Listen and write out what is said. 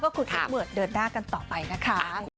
คุณครับเมื่อเดินหน้ากันต่อไปนะคะ